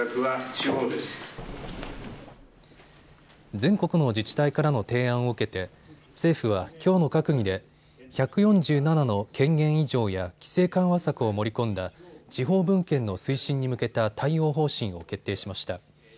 全国の自治体からの提案を受けて政府はきょうの閣議で１４７の権限移譲や規制緩和策を盛り込んだ地方分権の推進に向けた対応方針を決定しました。